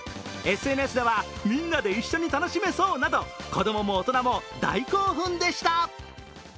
ＳＮＳではみんなで一緒に楽しめそうなど子供も大人も大興奮でした。